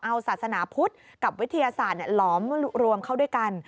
เอาศาสนาพุทธกับวิทยาศาสตร์หลอมรวมเข้าด้วยกัน